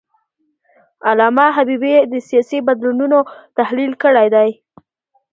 علامه حبیبي د سیاسي بدلونونو تحلیل کړی دی.